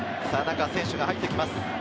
中に選手が入ってきます。